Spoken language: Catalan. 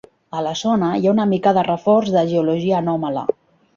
A la zona hi ha una mica de reforç de geologia anòmala.